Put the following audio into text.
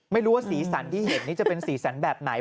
ไม่รู้ว่าสีสันที่เห็นนี่จะเป็นสีสันแบบไหน